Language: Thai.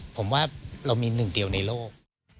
ผมว่าเรามีหนึ่งเดียวในโลก